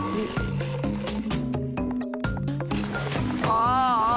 ああ。